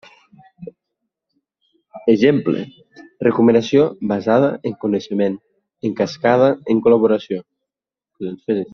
Exemple, recomanació basada en coneixement en cascada en col·laboració.